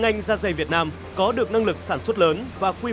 ngành da dày việt nam có được năng lực sản xuất lớn và quy mô xuất khẩu da dày